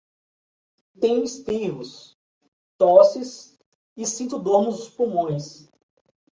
Tenho espirros, tosses e sinto dor nos pulmões